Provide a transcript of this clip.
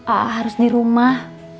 a'a harus di rumah